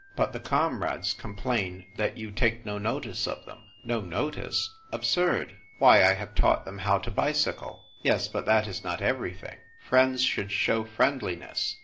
"But — the comrades complain that you take no notice of them." " No notice ! Absurd ! Why, I have taught them how to bicycle." "Yes ; but that is not everything. Friends should show friendliness.